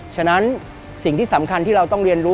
ฉะนั้นสิ่งที่สำคัญที่เราต้องเรียนรู้